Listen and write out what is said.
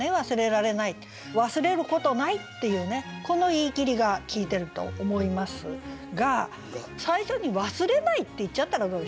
「忘れることない」っていうこの言い切りが効いてると思いますが最初に「忘れない」って言っちゃったらどうでしょう？